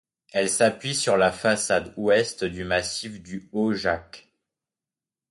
Elle s'appuie sur la façade ouest du massif du Haut Jacques.